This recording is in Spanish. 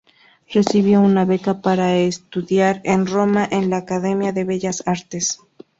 Recibió una beca para estudiar en Roma en la Academia de Bellas Artes.